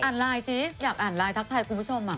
ไลน์สิอยากอ่านไลน์ทักทายคุณผู้ชม